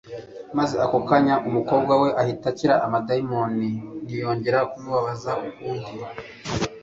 Maze ako kanya umukobwa we ahita akira. Daimoni ntiyongera kumubabaza ukundi.